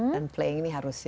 dan playing ini harus ya